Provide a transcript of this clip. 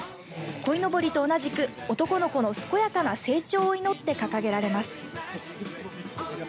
こいのぼりと同じく男の子の健やかな成長を祈って掲げられます。